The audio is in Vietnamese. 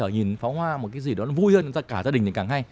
nhìn pháo hoa một cái gì đó vui hơn cả gia đình thì càng hay